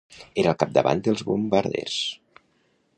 Era al capdavant dels bombarders.